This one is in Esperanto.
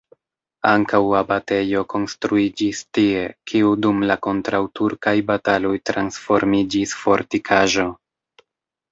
Ankaŭ abatejo konstruiĝis tie, kiu dum la kontraŭturkaj bataloj transformiĝis fortikaĵo.